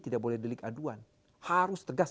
tidak boleh diaduan harus tegas